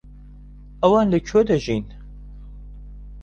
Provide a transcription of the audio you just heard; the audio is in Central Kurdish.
ئەوان لەکوێ دەژین؟